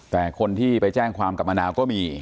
แต่คนที่ไปแจ้งความกับมะนาวก็มี